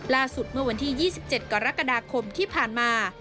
เมื่อวันที่๒๗กรกฎาคมที่ผ่านมา